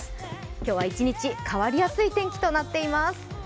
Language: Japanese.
今日は一日、変わりやすい天気となっています。